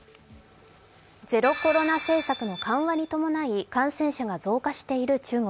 ゼロコロナ政策の緩和に伴い感染者が増加している中国。